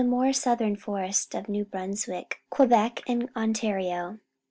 more southern forests of New Brunswick, Quebec, and Ontario.